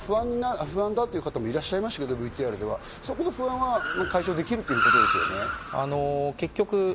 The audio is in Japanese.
楽になる、不安だという方もいらっしゃいましたけどＶＴＲで、その不安は解消できるということですね。